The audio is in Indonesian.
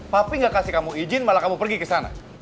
papi gak kasih kamu izin malah kamu pergi ke sana